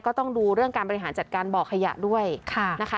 ก็ต้องดูเรื่องการบริหารจัดการบ่อขยะด้วยนะคะ